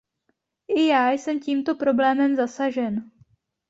I já jsem tímto problémem zasažen.